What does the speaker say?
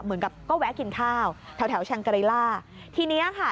เหมือนกับก็แวะกินข้าวแถวแถวแงล่าทีเนี้ยค่ะ